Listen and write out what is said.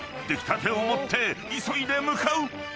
［出来たてを持って急いで向かう！］